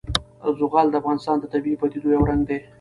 زغال د افغانستان د طبیعي پدیدو یو رنګ دی.